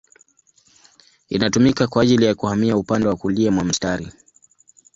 Inatumika kwa ajili ya kuhamia upande wa kulia mwa mstari.